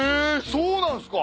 そうなんすか。